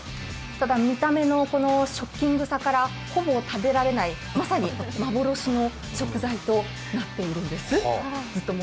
ただ見た目のショッキングさからほぼ食べられないまさに幻の食材となっているんです。